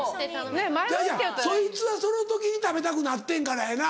いやいやそいつはその時に食べたくなってんからやな。